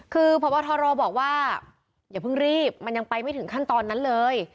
คือพบทรบอกว่าอย่าเพิ่งรีบมันยังไปไม่ถึงขั้นตอนนั้นเลย